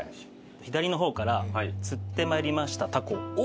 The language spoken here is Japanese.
左の方から釣って参りましたタコ。